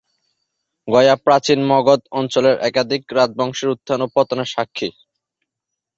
গয়া প্রাচীন মগধ অঞ্চলের একাধিক রাজবংশের উত্থান ও পতনের সাক্ষী।